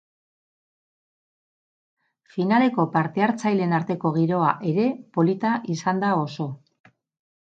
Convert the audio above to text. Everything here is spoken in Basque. Finaleko parte hartzaileen arteko giroa ere polita izan da oso.